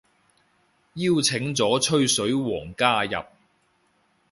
邀請咗吹水王加入